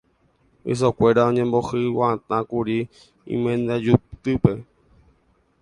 Ysokuéra oñemohyg̃uatãkuri imandyjutýpe.